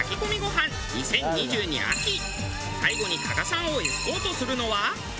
最後に加賀さんをエスコートするのは。